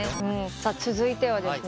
さあ続いてはですね